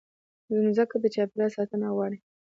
مځکه د چاپېریال ساتنه غواړي.